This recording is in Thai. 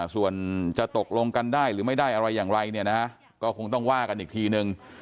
ส่วนจะตกลงกันได้หรือไม่ได้อะไรอย่างไรเนี่ยนะฮะก็คงต้องว่ากันอีกทีนึง